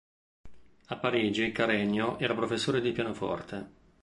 A Parigi Carreño era professore di pianoforte.